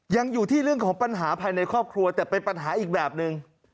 ยังอยู่ที่เรื่องของปัญหาภายในครอบครัวแต่เป็นปัญหาอีกแบบนึง